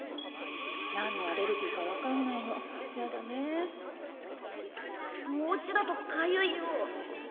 何のアレルギーかわかんないのやだねえお家だと痒いよ